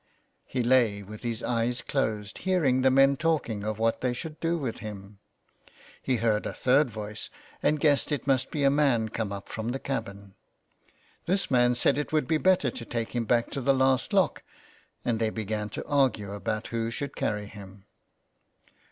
He lay with his eyes closed, hearing the men talking of what they should do with him. He heard a third voice and guessed it must be a man come up from the cabin. This man said it would be better to take him back to the last lock, and they began to argue about who should carry him.